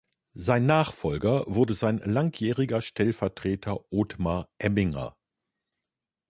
Sein Nachfolger wurde sein langjähriger Stellvertreter Otmar Emminger.